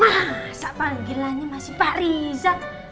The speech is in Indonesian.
masa panggilannya masih pak riza